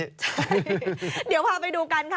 ใช่เดี๋ยวพาไปดูกันค่ะ